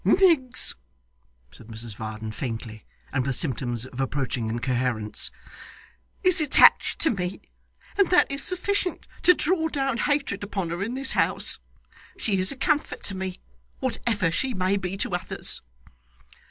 'Miggs,' said Mrs Varden faintly, and with symptoms of approaching incoherence, 'is attached to me, and that is sufficient to draw down hatred upon her in this house. She is a comfort to me, whatever she may be to others.